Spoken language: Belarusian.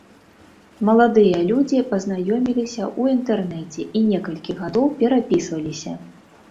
Маладыя людзі пазнаёміліся ў інтэрнэце і некалькі гадоў перапісваліся.